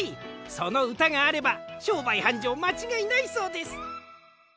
そのうたがあればしょうばいはんじょうまちがいないそうです。